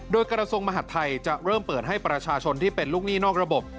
โดยกระทรวงมหาดไทยจะเริ่มเปิดให้ประชาชนที่เป็นลูกหนี้นอกระบบ